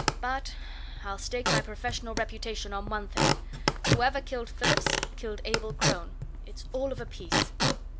But I'll stake my professional reputation on one thing whoever killed Phillips, killed Abel Crone! It's all of a piece."